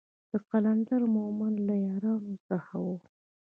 د قلندر مومند له يارانو څخه و.